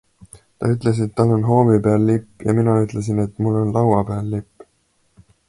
Ta ütles, et tal on hoovi peal lipp, ja mina ütlesin, et mul on laua peal lipp.